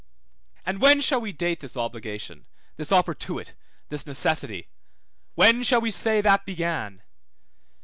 And when shall we date this obligation, this oportuit, this necessity? When shall we say that began?